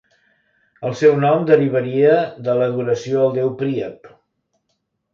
El seu nom derivaria de l'adoració al déu Príap.